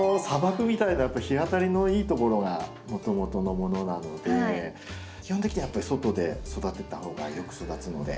砂漠みたいな日当たりのいいところがもともとのものなので基本的にはやっぱり外で育てた方がよく育つので。